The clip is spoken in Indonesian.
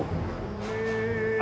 bagaimana ger pradu